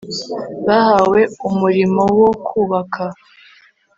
bahawe umurimowo kubaka